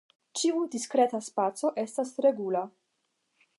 Ĉiu diskreta spaco estas regula.